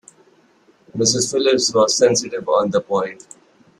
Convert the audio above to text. Mrs. Phillips was sensitive on the point.